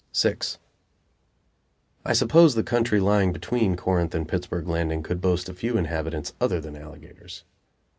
VI I suppose the country lying between Corinth and Pittsburg Landing could boast a few inhabitants other than alligators.